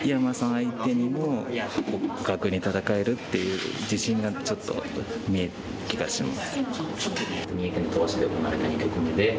相手にも互角に戦えるっていう自信がちょっと見える気がします。